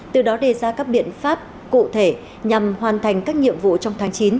từ đó đề ra các biện pháp cụ thể nhằm hoàn thành các nhiệm vụ trong tháng chín